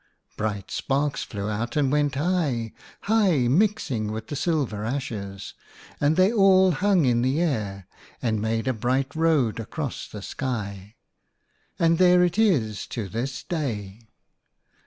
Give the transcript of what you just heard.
Bright sparks flew out and went high, high, mixing with the silver ashes, and they all hung in the air and made a bright road across the sky. And there it is to this day.